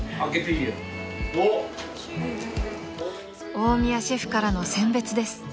［大宮シェフからの餞別です］